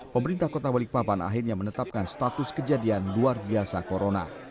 pemerintah kota balikpapan akhirnya menetapkan status kejadian luar biasa corona